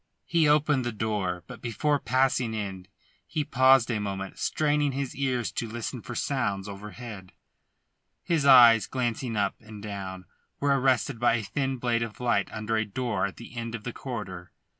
He opened the door, but before passing in he paused a moment, straining his ears to listen for sounds overhead. His eyes, glancing up and down, were arrested by a thin blade of light under a door at the end of the corridor.